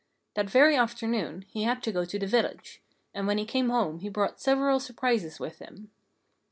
That very afternoon he had to go to the village. And when he came home he brought several surprises with him.